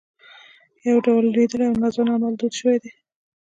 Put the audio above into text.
یو ډول لوېدلي او ناځوانه اعمال دود شوي دي.